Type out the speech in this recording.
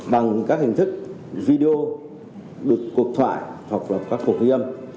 bằng các hình thức video cuộc thoại hoặc là bình luận